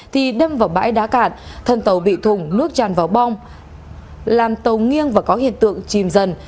thì đâm vào bãi đá cạn thân tàu bị thùng nước tràn vào bong làm tàu nghiêng và có hiện tượng chìm dần